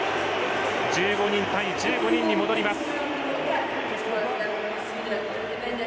１５人対１５人に戻ります。